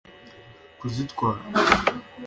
kuzitwara